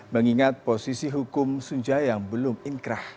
mengingat posisi hukum sunja yang belum inkrah